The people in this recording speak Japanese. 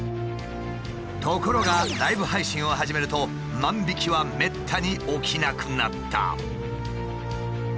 ところがライブ配信を始めると万引きはめったに起きなくなった。